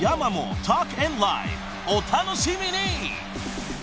［お楽しみに］